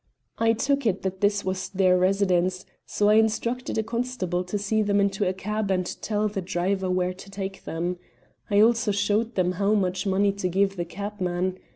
"I took it that this was their residence, so I instructed a constable to see them into a cab and tell the driver where to take them. I also showed them how much money to give the cabman.